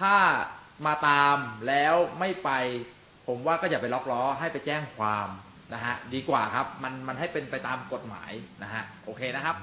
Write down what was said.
ถ้ามาตามแล้วไม่ไปผมว่าก็อย่าไปล็อกล้อให้ไปแจ้งความนะฮะดีกว่าครับมันให้เป็นไปตามกฎหมายนะฮะโอเคนะครับ